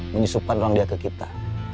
menyusupkan uang dia ke kita